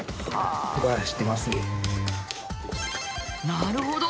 なるほど！